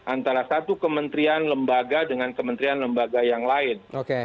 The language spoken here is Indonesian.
antara satu kementerian lembaga dengan kementerian lembaga yang lain